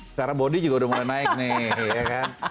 secara bodi juga udah mulai naik nih ya kan